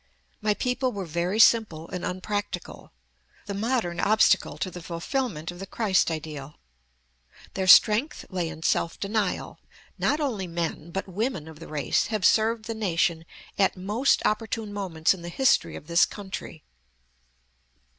My people were very simple and unpractical the modern obstacle to the fulfilment of the Christ ideal. Their strength lay in self denial. Not only men, but women of the race have served the nation at most opportune moments in the history of this country.